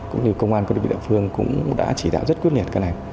cũng như công an của địa phương cũng đã chỉ đạo rất quyết liệt cái này